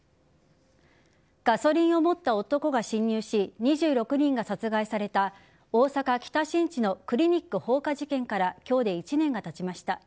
ガソリンを持った男が侵入し２６人が殺害された大阪・北新地のクリニック放火事件から今日で１年がたちました。